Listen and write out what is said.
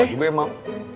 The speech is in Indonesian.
siapa juga yang mau